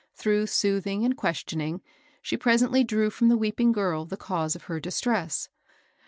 Through soothing and questioning, she presently drew from the weeping girl the cause of her distress.